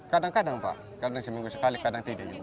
kadang kadang pak kadang seminggu sekali kadang tidak